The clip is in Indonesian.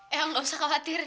eyang gak usah khawatir